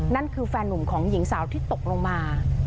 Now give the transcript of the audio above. นั่นคือแฟนนุ่มของหญิงสาวที่ตกลงมา